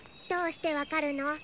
どうしてわかるの？